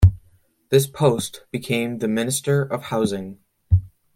This post became the Minister of Housing.